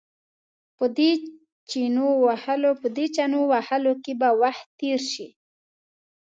په دې چنو وهلو کې به وخت تېر شي.